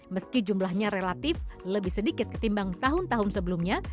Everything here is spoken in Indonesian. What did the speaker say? meski jumlahnya relatif lebih sedikit ketimbang tahun tahun sebelumnya